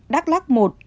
đắk lắc một